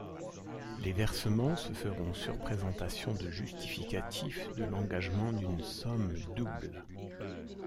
Les versements se feront sur présentation de justificatifs de l'engagement d'une somme double.